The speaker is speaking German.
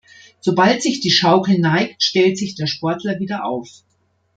Sobald sich die Schaukel neigt, stellt sich der Sportler wieder auf.